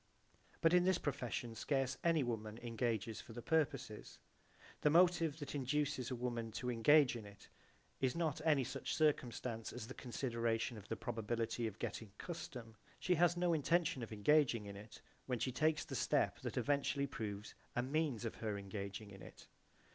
But in this profession scarce any woman engages for the[se] purposes. The motive that induces a woman to engage in it is not any such circumstance as the consideration of the probability of getting custom. She has no intention of engaging in it when she takes the step that eventually proves a means of her engaging in it.